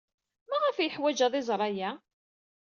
Maɣef ay yeḥwaj ad iẓer aya?